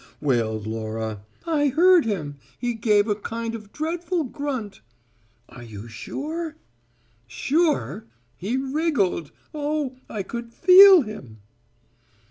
wailed Laura. "I heard him: he gave a kind of dreadful grunt." "Are you sure?" "Sure? He wriggled oh! I could feel him!"